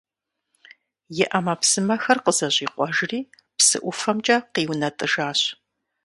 И Ӏэмэпсымэхэр къызэщӀикъуэжри, псы ӀуфэмкӀэ къиунэтӀыжащ.